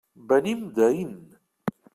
Venim d'Aín.